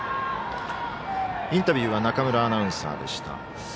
インタビューは中村アナウンサーでした。